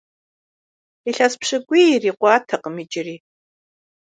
Илъэс пщыкӏуий ирикъуатэкъым иджыри.